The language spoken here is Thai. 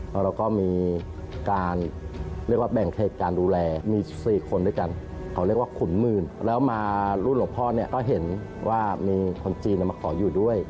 แล้วเราก็มีการเรียกว่าแบ่งเขตการดูแลมี๔คนด้วยกันเขาเรียกว่าขุนหมื่นแล้วมารุ่นหลวงพ่อเนี่ยก็เห็นว่ามีคนจีนมาขออยู่ด้วย